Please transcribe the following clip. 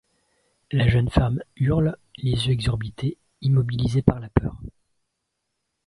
La jeune femme hurle, les yeux exorbités, immobilisée par la peur.